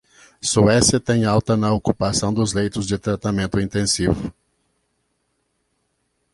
Suécia tem alta na ocupação dos leitos de tratamento intensivo